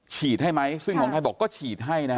ให้ไหมซึ่งของไทยบอกก็ฉีดให้นะฮะ